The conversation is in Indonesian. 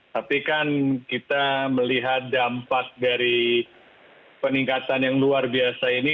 tapi kan kita melihat dampak dari peningkatan yang luar biasa ini